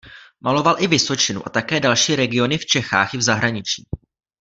Maloval i Vysočinu a také další regiony v Čechách i v zahraničí.